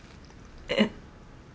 えっ？